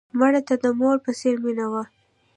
مړه ته د مور په څېر مینه وه